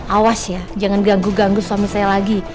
awas ya jangan ganggu ganggu suami saya lagi